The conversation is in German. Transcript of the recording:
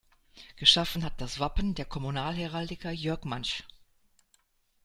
Geschaffen hat das Wappen der Kommunalheraldiker Jörg Mantzsch.